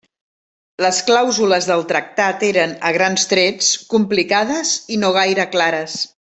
Les clàusules del tractat eren, a grans trets, complicades i no gaire clares.